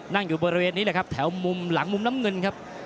อยู่บริเวณนี้แหละครับแถวมุมหลังมุมน้ำเงินครับ